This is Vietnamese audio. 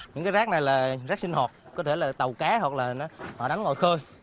những cái rác này là rác sinh hột có thể là tàu cá hoặc là họ đắng ngồi khơi